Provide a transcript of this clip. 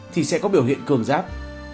thì sẽ có biểu hiện cường giáp